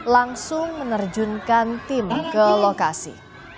langsung menerjunkan tim ke lokasi